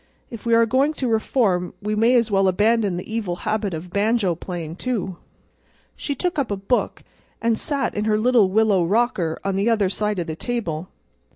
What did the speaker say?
If we are going to reform we may as well abandon the evil habit of banjo playing, too." She took up a book and sat in her little willow rocker on the other side of the table.